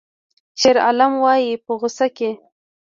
شیرعالم وایی په غوسه کې